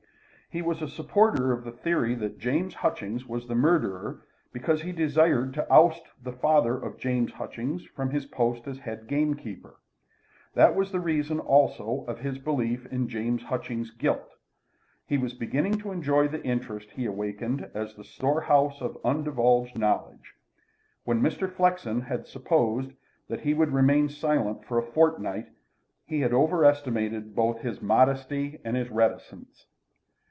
He was a supporter of the theory that James Hutchings was the murderer because he desired to oust the father of James Hutchings from his post as head gamekeeper. That was the reason also of his belief in James Hutchings' guilt. He was beginning to enjoy the interest he awakened as the storehouse of undivulged knowledge. When Mr. Flexen had supposed that he would remain silent for a fortnight, he had overestimated both his modesty and his reticence.